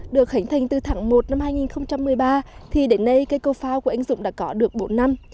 được khánh thành từ tháng một năm hai nghìn một mươi ba thì đến nay cây cầu phao của anh dũng đã có được bốn năm